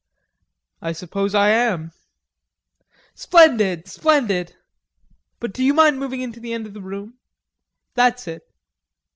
"I suppose I am." "Splendid, splendid.... But do you mind moving into the end of the room.... That's it."